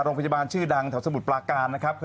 ทางด้านโรงพยาบาลนะครับ